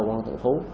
qua thành phố